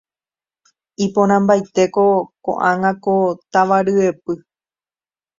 iporãmbaitéko ko'ág̃a ko táva ryepy.